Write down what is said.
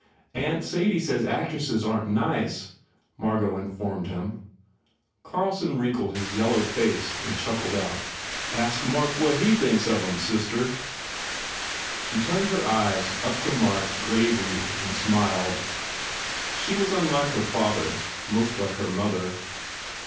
"Aunt Sadie says actresses aren t nice," Margot informed him. Carlson wrinkled his yellow face and chuckled out, "Ask Mark what he thinks of em, sister." She turned her eyes up to Mark gravely and smiled. She was unlike her father, most like her mother.